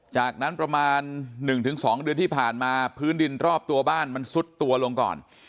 จากนั้นประมาณ๑๒เดือนที่ผ่านมาพื้นดินรอบตัวบ้านมันซุดตัวลงก่อน